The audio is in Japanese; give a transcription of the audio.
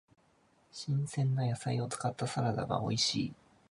新鮮な野菜を使ったサラダが美味しい。